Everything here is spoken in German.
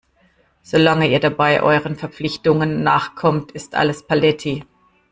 Solange ihr dabei euren Verpflichtungen nachkommt, ist alles paletti.